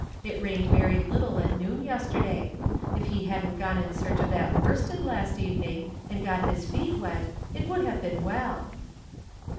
It rained very little at noon yesterday. If he hadn't gone in search of that worsted last evening, and got his feet wet, it would all have been well."